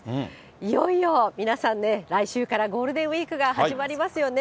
いよいよ皆さんね、来週からゴールデンウィークが始まりますよね。